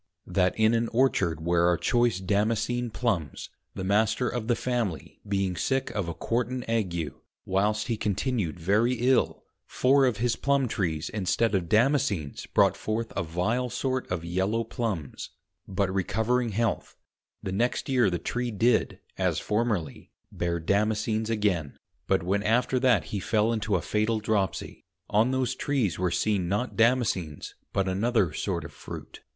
_ That in an Orchard where are choice Damascen Plumbs, the Master of the Family being sick of a Quartan Ague, whilst he continued very ill, four of his Plumb trees instead of Damascens brought forth a vile sort of yellow Plumbs: but recovering Health, the next Year the Tree did (as formerly) bear Damascens again; but when after that he fell into a fatal Dropsie, on those Trees were seen not Damascens, but another sort of Fruit.